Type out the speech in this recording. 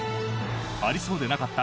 ありそうでなかった！